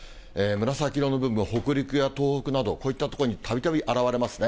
紫色の部分、北陸や東北など、こういった所にたびたび現れますね。